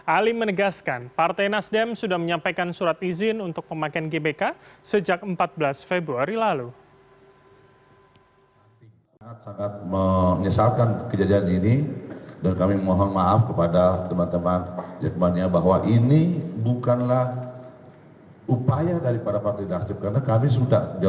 ali menegaskan partai nasdem sudah menyampaikan surat izin untuk pemakaian gbk sejak empat belas februari lalu